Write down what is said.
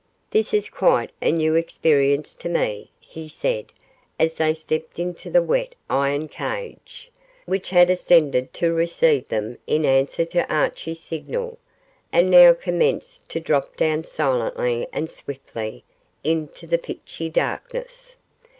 This is quite a new experience to me,' he said, as they stepped into the wet iron cage, which had ascended to receive them in answer to Archie's signal, and now commenced to drop down silently and swiftly into the pitchy darkness.